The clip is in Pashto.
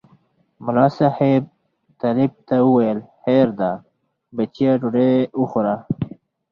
ملا صاحب طالب ته وویل خیر دی بچیه ډوډۍ وخوره.